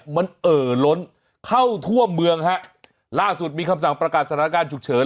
มันเอ่อล้นเข้าทั่วเมืองฮะล่าสุดมีคำสั่งประกาศสถานการณ์ฉุกเฉิน